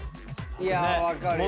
いや分かるよね。